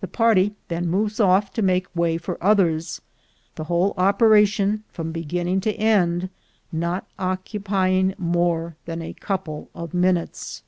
The party then move oif to make way for others, the whole operation from beginning to end not occupy ing more than a couple of minutes.